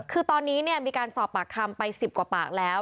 คือตอนนี้มีการสอบปากคำไป๑๐กว่าปากแล้ว